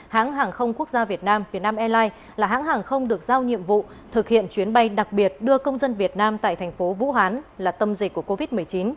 hãng hàng không quốc gia việt nam vietnam airlines là hãng hàng không được giao nhiệm vụ thực hiện chuyến bay đặc biệt đưa công dân việt nam tại thành phố vũ hán là tâm dịch của covid một mươi chín